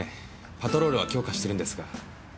パトロールは強化してるんですが。